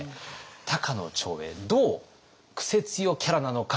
高野長英どうクセ強キャラなのか